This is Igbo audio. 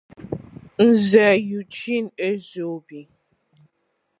Nze Eugene Ezeobi